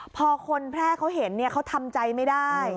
พอคนแพร่เขาเห็นเขาทำใจไม่ได้